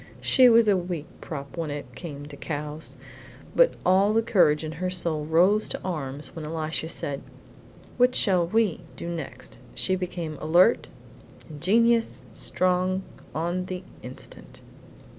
She was a weak prop indeed when it came to cows, but all the courage in her soul rose to arms when Elisha said, "What shall WE do next?" She became alert, ingenious, strong, on the instant.